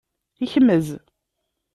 Kmez.